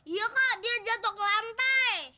iya kak dia jatuh ke lantai